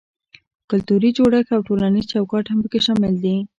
کلتوري جوړښت او ټولنیز چوکاټ هم پکې شامل دي.